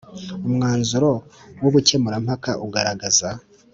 Umwanzuro w ubukemurampaka ugaragaza